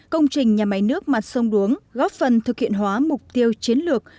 công trình nhà máy nước mặt sông đuống góp phần thực hiện hóa mục tiêu chiến lược